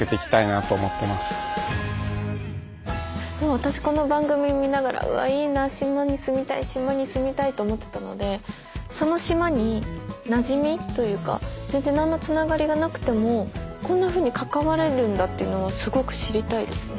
私この番組見ながらうわいいな島に住みたい島に住みたいと思ってたのでその島になじみというか全然何のつながりがなくてもこんなふうに関われるんだっていうのはすごく知りたいですね。